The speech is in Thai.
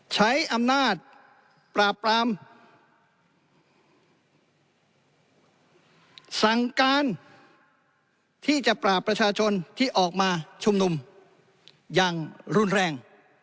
ใช้อำนาจปราบปรามสั่งการที่จะปราบประชาชนที่ออกมาชุมนุมอย่างรุนแรง